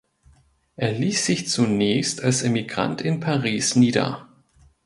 Er ließ sich zunächst als Emigrant in Paris nieder.